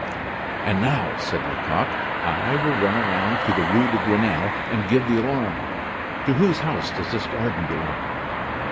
"And now," said Lecoq, "I will run round to the Rue de Grenelle and give the alarm. To whose house does this garden belong?"